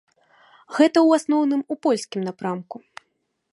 Гэта ў асноўным у польскім напрамку.